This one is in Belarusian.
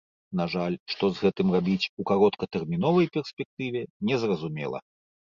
На жаль, што з гэтым рабіць у кароткатэрміновай перспектыве, незразумела.